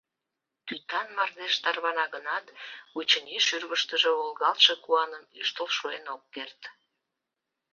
Тӱтан мардеж тарвана гынат, очыни, шӱргыштыжӧ волгалтше куаным ӱштыл шуэн ок керт.